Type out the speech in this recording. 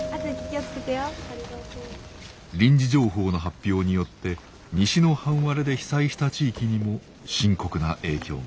臨時情報の発表によって西の半割れで被災した地域にも深刻な影響が。